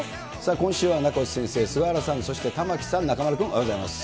今週は名越先生、菅原さん、玉城さん、中丸君、おはようございます。